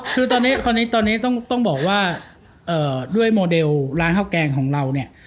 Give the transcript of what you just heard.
คือตอนนี้ต้องบอกว่าด้วยโมเดลร้านข้าวแกงของเราเนี่ย